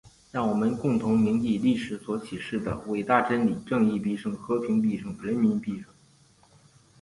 让我们共同铭记历史所启示的伟大真理：正义必胜！和平必胜！人民必胜！